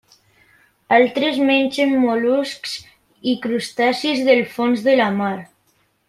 Altres mengen mol·luscs i crustacis del fons de la mar.